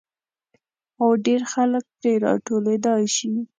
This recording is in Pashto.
او ډېر خلک پرې را ټولېدای شي.